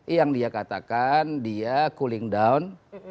yang dia katakan dia cooling down